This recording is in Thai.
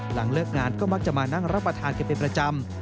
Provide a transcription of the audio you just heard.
หลังเลิกงานก็มักจะมานั่งรับประทานกันเป็นประจำ